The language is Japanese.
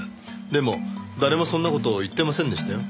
でも誰もそんな事を言ってませんでしたよ。